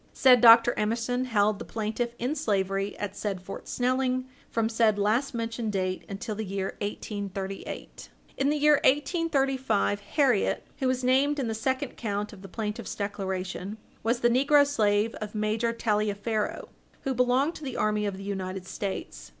Said Dr. Emerson held the plaintiff in slavery at said Fort Snelling from said last mentioned date until the year 1838. In the year 1835, Harriet, who is named in the second count of the plaintiff's declaration, was the negro slave of Major Taliaferro, who belonged to the army of the United States.